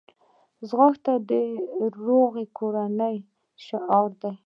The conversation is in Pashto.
ځغاسته د روغې کورنۍ شعار دی